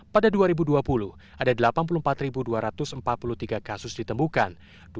pada dua ribu dua puluh ada delapan puluh empat dua ratus empat puluh tiga kasus ditemukan